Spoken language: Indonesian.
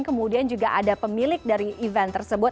kemudian juga ada pemilik dari event tersebut